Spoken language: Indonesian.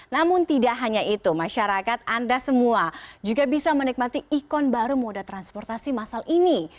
namun tidak hanya itu masyarakat anda semua juga bisa menikmati ikon baru moda transportasi masal ini